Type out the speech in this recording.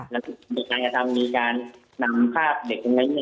แล้วถูกกระทำมีการนำภาพเด็กของนักยิ่ง